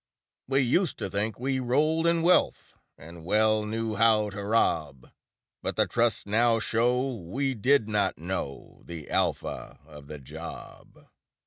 We used to think we rolled in wealth, And well knew how to rob; But the trusts now show we did not know The Alpha of the job.